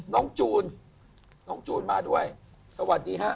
น้องจูนมาด้วยสวัสดีค่ะ